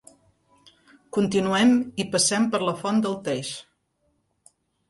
Continuem i passem per la font del Teix.